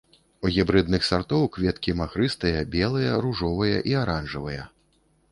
У гібрыдных сартоў кветкі махрыстыя, белыя, ружовыя і аранжавыя.